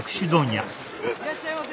いらっしゃいませ。